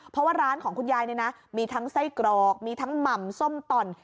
เพราะว่าร้านของคุณยายเนี่ยนะมีทั้งไส้กรอกมีทั้งหม่ำส้มต่อน